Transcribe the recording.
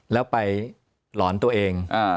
แล้วไปหลอนตัวเอง